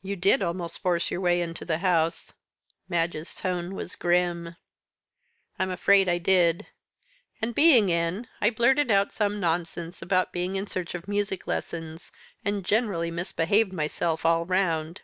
"You did almost force your way into the house." Madge's tone was grim. "I'm afraid I did and, being in, I blurted out some nonsense about being in search of music lessons, and generally misbehaved myself all round.